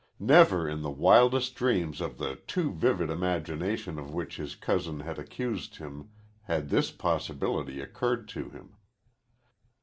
Never in the wildest dreams of the too vivid imagination of which his cousin had accused him had this possibility occurred to him.